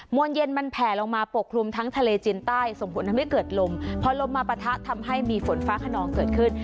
วนเย็นมันแผ่ลงมาปกคลุมทั้งทะเลจีนใต้ส่งผลทำให้เกิดลมพอลมมาปะทะทำให้มีฝนฟ้าขนองเกิดขึ้น